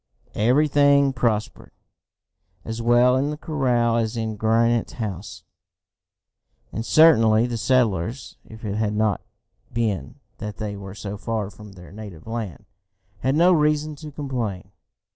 Everything prospered, as well in the corral as in Granite House and certainly the settlers, if it had not been that they were so far from their native land, had no reason to complain.